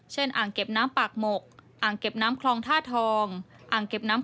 อ่างเก็บน้ำปากหมกอ่างเก็บน้ำคลองท่าทองอ่างเก็บน้ำ